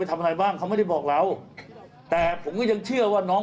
ทำอะไรบ้างเขาไม่ได้บอกเราแต่ผมก็ยังเชื่อว่าน้อง